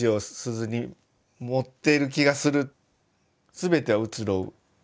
全ては移ろう。